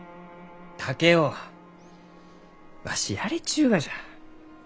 竹雄わしやれちゅうがじゃ。